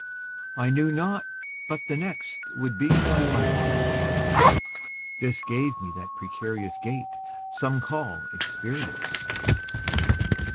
I knew not but the next Would be my final inch, This gave me that precarious gait Some call experience.